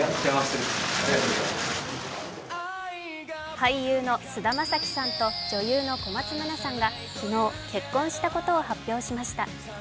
俳優の菅田将暉さんと女優の小松菜奈さんが、昨日、結婚したことを発表しました。